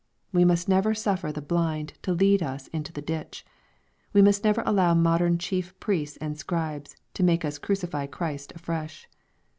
We must never suffer the blind to lead us into the ditch. We must never allow modern chief priests and scribes to make us crucify Christ afresh.